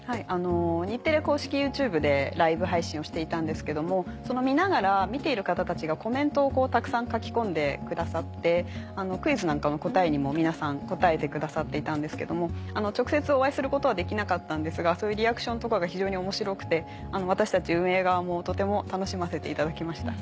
日テレ公式ＹｏｕＴｕｂｅでライブ配信をしていたんですけども見ながら見ている方たちがコメントをたくさん書き込んでくださってクイズなんかの答えにも皆さん答えてくださっていたんですけども直接お会いすることはできなかったんですがそういうリアクションとかが非常に面白くて私たち運営側もとても楽しませていただきました。